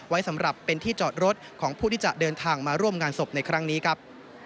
ไว้สำหรับเป็นที่จอดรถของผู้ที่จะเดินทางมาร่วมงานศพในครั้งนี้ครับ